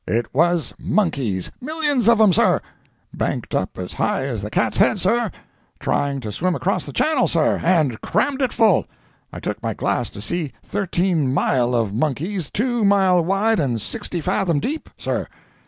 It was monkeys! Millions of 'em, sir!—banked up as high as the cat heads, sir!—trying to swim across the channel, sir, and crammed it full! I took my glass to see thirteen mile of monkeys, two mile wide and sixty fathom deep, sir!